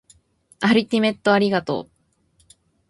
アルティメットありがとう